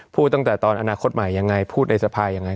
พูดตั้งแต่ตอนอนาคตใหม่ยังไงพูดในสภายังไง